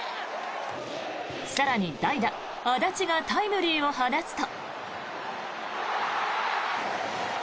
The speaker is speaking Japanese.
更に代打、安達がタイムリーを放つと。